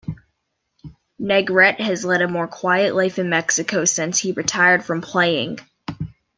Negrete has led a more quiet life in Mexico since he retired from playing.